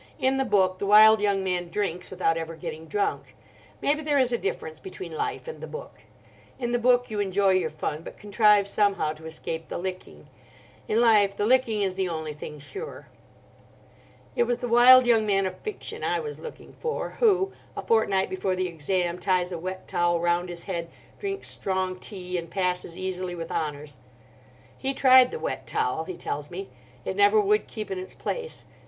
"In the book the wild young man drinks without ever getting drunk. Maybe there is a difference between life and the book. In the book you enjoy your fun, but contrive somehow to escape the licking: in life the licking is the only thing sure. It was the wild young man of fiction I was looking for, who, a fortnight before the exam., ties a wet towel round his head, drinks strong tea, and passes easily with honours. He tried the wet towel, he tells me. It never would keep in its place.